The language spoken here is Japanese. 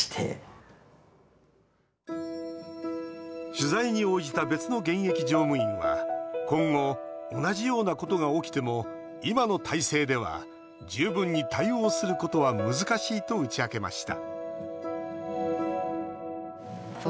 取材に応じた別の現役乗務員は今後、同じようなことが起きても今の体制では十分に対応することは難しいと打ち明けました